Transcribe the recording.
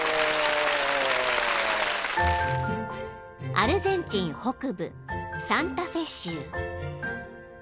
［アルゼンチン北部サンタフェ州］